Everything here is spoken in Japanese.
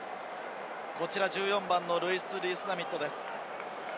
１４番のルイス・リース＝ザミットです。